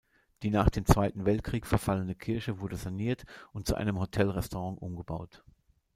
Die nach dem Zweiten Weltkrieg verfallene Kirche wurde saniert und zu einem Hotelrestaurant umgebaut.